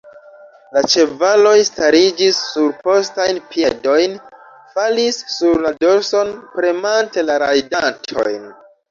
La ĉevaloj stariĝis sur postajn piedojn, falis sur la dorson, premante la rajdantojn.